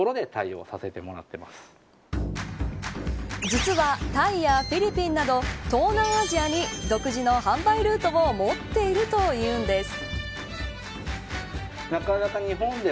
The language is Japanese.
実は、タイやフィリピンなど東南アジアに独自の販売ルートを持っているというんです。